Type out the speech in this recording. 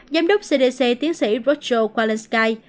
giám đốc cdc tiến sĩ rochelle kalinske